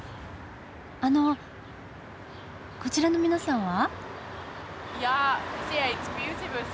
あのこちらの皆さんは？